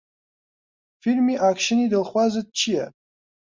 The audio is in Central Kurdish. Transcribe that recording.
فیلمی ئاکشنی دڵخوازت چییە؟